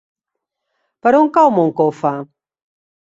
Per on cau Moncofa?